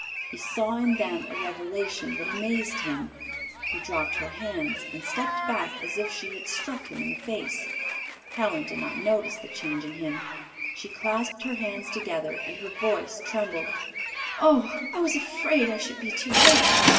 He saw in them a revelation that amazed him; he dropped her hands and stepped back as if she had struck him in the face. Helen did not notice the change in him. She clasped her hands together and her voice trembled. "Oh, I was afraid I should be too late!